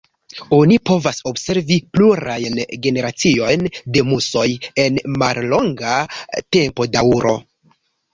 Oni povas observi plurajn generaciojn de musoj en mallonga tempodaŭro.